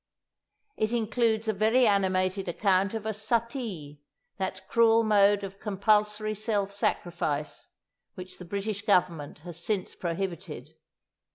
It includes a very animated account of a Suttee, that cruel mode of compulsory self sacrifice which the British Government has since prohibited.